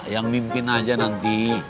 yang mimpin aja nanti